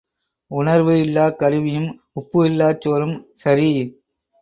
உணர்வு இல்லாக் கருவியும் உப்பு இல்லாச் சோறும் சரி.